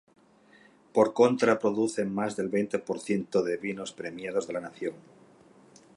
Por contra produce más del veinte por ciento de vinos premiados de la nación.